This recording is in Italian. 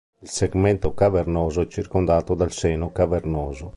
Il segmento cavernoso è circondato dal seno cavernoso.